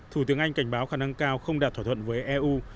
thủ tướng anh cảnh báo khả năng cao không đạt thỏa thuận với eu